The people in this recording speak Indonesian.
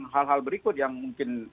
hal hal berikut yang mungkin